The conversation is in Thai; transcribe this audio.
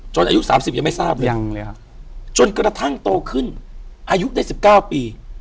จนอายุ๓๐ยังไม่ทราบเลยจนกระทั่งโตขึ้นอายุได้๑๙ปี